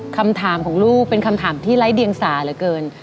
คำถามของลูกเป็นคำถามที่ไร้เดียงสาเหลือเกิน